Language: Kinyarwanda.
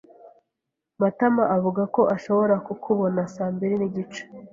Matama avuga ko ashobora kukubona saa mbiri n'igice.